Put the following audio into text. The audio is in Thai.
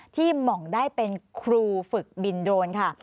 หม่องได้เป็นครูฝึกบินโดรนค่ะ